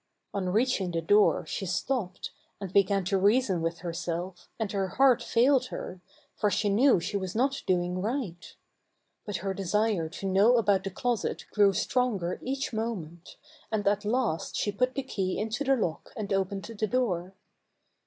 On reaching the door, she stopped, and began to reason with herself, and her heart failed her, for she knew she was not doing right. But her desire to know about the closet grew stronger each moment, and at last she put the key into the lock and opened the door.